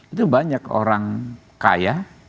itu banyak orang kaya